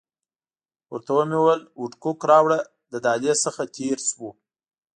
ورته ومې ویل وډکوک راوړه، له دهلیز څخه تېر شوو.